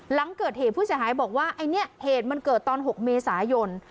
หลังเกิดเหตุผู้เสียหายบอกว่าไอ้เนี่ยเหตุมันเกิดตอน๖เมษายน